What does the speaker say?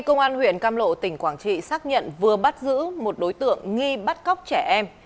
công an huyện cam lộ tỉnh quảng trị xác nhận vừa bắt giữ một đối tượng nghi bắt cóc trẻ em